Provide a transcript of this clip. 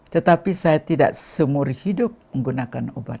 tetapi saya tidak seumur hidup menggunakan obat